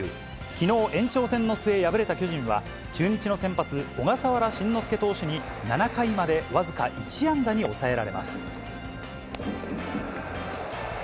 きのう、延長戦の末敗れた巨人は、中日の先発、小笠原慎之介投手に７回まで僅か１安打に抑えられます。